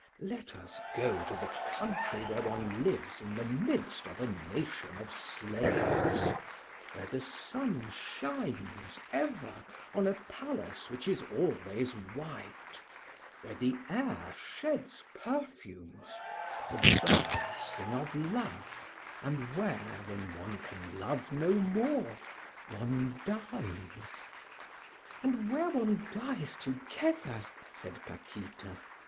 Let us go to the country where one lives in the midst of a nation of slaves, where the sun shines ever on a palace which is always white, where the air sheds perfumes, the birds sing of love and where, when one can love no more, one dies...." "And where one dies together!" said Paquita.